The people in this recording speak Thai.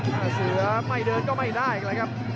ถ้าเสือไม่เดินก็ไม่ได้อีกแล้วครับ